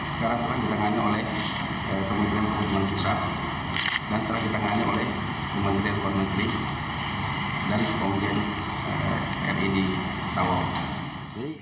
sekarang telah ditangani oleh kementerian kepala kepala kepala kepala dan telah ditangani oleh kementerian kepala kepala kepala dari komitmen rid tawau